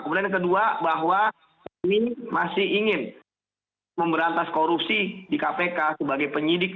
kemudian yang kedua bahwa kami masih ingin memberantas korupsi di kpk sebagai penyidik